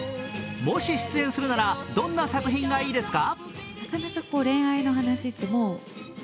もし出演するならどんな作品がいいですか？